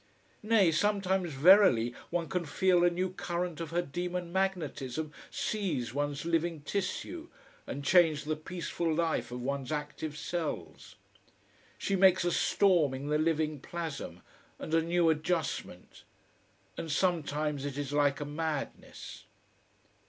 Nay, sometimes, verily, one can feel a new current of her demon magnetism seize one's living tissue and change the peaceful life of one's active cells. She makes a storm in the living plasm and a new adjustment. And sometimes it is like a madness.